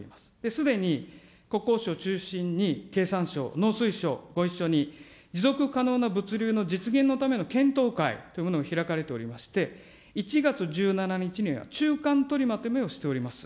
すでに国交省中心に経産省、農水省、ご一緒に、持続可能な物流の実現のための検討会というものを開かれておりまして、１月１７日に中間取りまとめをしております。